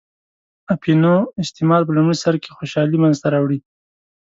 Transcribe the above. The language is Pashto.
اپینو استعمال په لومړی سر کې خوشحالي منځته راوړي.